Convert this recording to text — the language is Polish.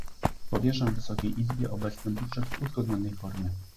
Powierzam Wysokiej Izbie obecny budżet w uzgodnionej formie